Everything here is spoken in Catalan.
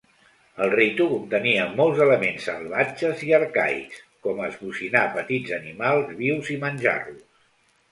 El ritu contenia molts elements salvatges i arcaics, com esbocinar petits animals vius i menjar-los.